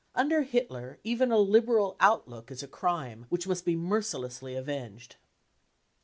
Under Hitler even a liberal outlook is a crime which must be mercilessly avenged.